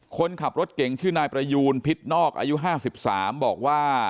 คนขับรถเก่งชื่อนายประยูนพิษนอกอายุ๕๓บอกว่า